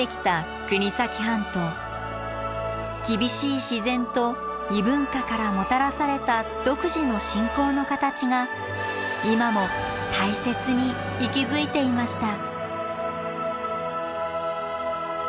厳しい自然と異文化からもたらされた独自の信仰の形が今も大切に息づいていました。